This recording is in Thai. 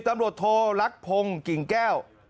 ๑๐ตำรวจโทรักพงกิ่งแก้ว